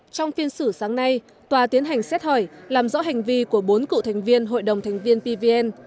trong phiên xử sáng nay tòa tiến hành xét hỏi làm rõ hành vi của bốn cựu thành viên hội đồng thành viên pvn